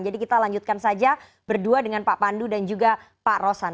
jadi kita lanjutkan saja berdua dengan pak pandu dan juga pak rosan